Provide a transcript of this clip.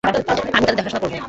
আমি তাদের দেখাশোনা করব।